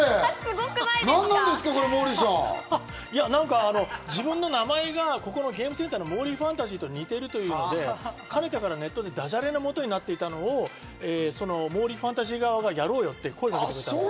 いやなんか自分の名前がここのゲームセンターのモーリーファンタジーと似ているということで、かねてからネットでダジャレの元になっていたのをモーリーファンタジー側から声がかかったんです。